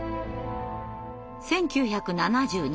１９７２年。